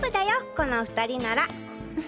この２人なら。